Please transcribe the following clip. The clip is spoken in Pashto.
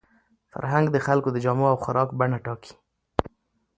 فرهنګ د خلکو د جامو او خوراک بڼه ټاکي.